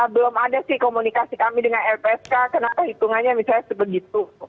belum ada sih komunikasi kami dengan lpsk kenapa hitungannya misalnya sebegitu